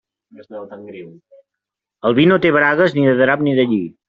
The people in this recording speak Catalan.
El vi no té bragues, ni de drap ni de lli.